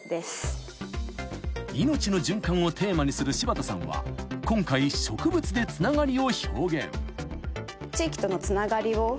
［命の循環をテーマにする柴田さんは今回植物でつながりを表現］